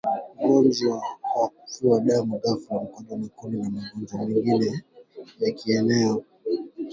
ugonjwa wa kuvuja damu ghafla mkojo mwekundu na magonjwa mengine ya kieneo